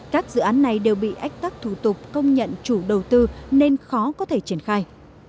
các dự án này đều bị ách tắc thủ tục công nhận chủ đầu tư nên khó có thể triển khai